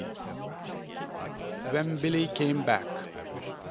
185 WHEN BILLIE CAME BACK.